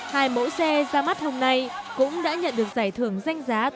hai mẫu xe ra mắt hôm nay cũng đã nhận được giải thưởng danh giá